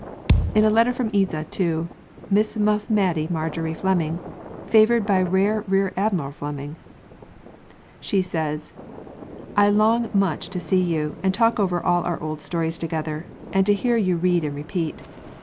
In a letter from "Isa" to "Miss Muff Maidie Marjory Fleming, favored by Rare Rear Admiral Fleming," she says: "I long much to see you, and talk over all our old stories together, and to hear you read and repeat.